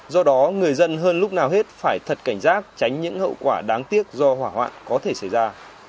do đó người dân hơn lúc nào hết phải thật cảnh giác tránh những hậu quả đáng tiếc do hỏa hoạn có thể xảy ra